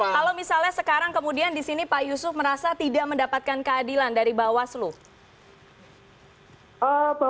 kalau misalnya sekarang kemudian disini pak yusuf merasa tidak mendapatkan keadilan dari bawah seluruh